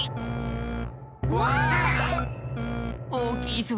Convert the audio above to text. おおきいぞ。